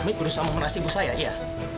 hamid berusaha memeras ibu saya iya